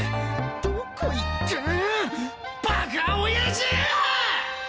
どこ行ったバカ親父！！